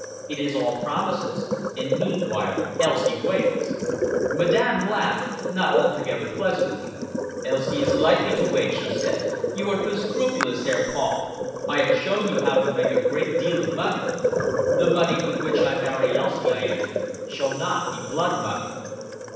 It is all promises! and meanwhile Elsie waits." Madame laughed, not altogether pleasantly. "Elsie is likely to wait," she said. "You are too scrupulous, Herr Paul. I have shown you how to make a great deal of money." "The money with which I marry Elsie," I answered, "shall not be blood money."